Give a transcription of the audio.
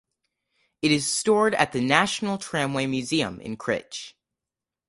It is stored at the National Tramway Museum in Crich.